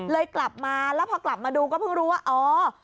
กลับมาแล้วพอกลับมาดูก็เพิ่งรู้ว่าอ๋อ